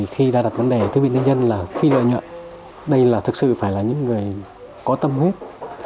khi đặt vấn đề thư viện tinh dân là phi lợi nhuận đây thực sự phải là những người có tâm huyết